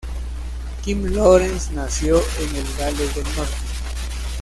Kim Lawrence nació en el Gales del Norte.